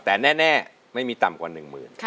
แต่แน่ไม่มีต่ำกว่า๑หมื่น